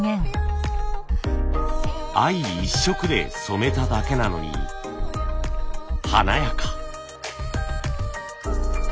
藍一色で染めただけなのに華やか。